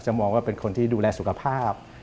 มองว่าเป็นคนที่ดูแลสุขภาพ